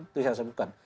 itu yang saya butuhkan